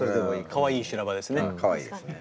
かわいい修羅場ですね。